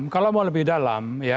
kalau mau lebih dalam